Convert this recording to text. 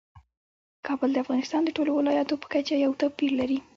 کابل د افغانستان د ټولو ولایاتو په کچه یو توپیر لري.